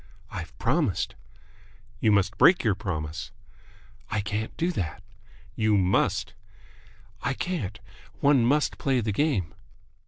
"I've promised." "You must break your promise." "I can't do that." "You must!" "I can't. One must play the game."